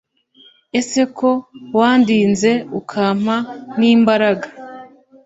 ese ko wandinze ukampa n’imbaraga